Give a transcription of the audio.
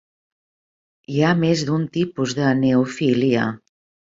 Hi ha més d'un tipus de neofília.